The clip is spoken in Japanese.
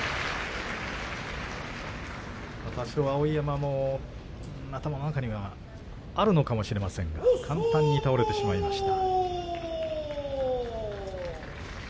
多少、碧山も頭の中にあるのかもしれませんが簡単に倒れてしまいました。